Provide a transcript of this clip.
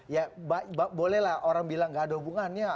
ya bolehlah orang bilang gak ada hubungannya